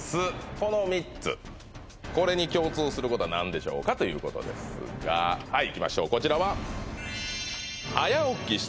この３つこれに共通することは何でしょうかということですがはいいきましょう